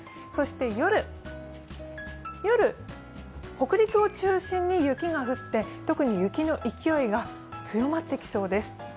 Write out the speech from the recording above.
そして夜、北陸を中心に雪が降って特に雪の勢いが強まってきそうです。